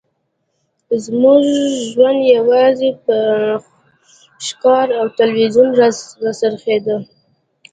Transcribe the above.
زموږ ژوند یوازې په ښکار او تلویزیون راڅرخیده